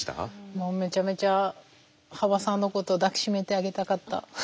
もうめちゃめちゃ羽馬さんのことを抱き締めてあげたかった。